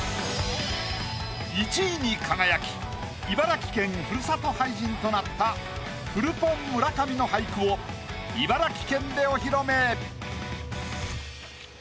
１位に輝き茨城県ふるさと俳人となったフルポン・村上の俳句を茨城県でお披露目。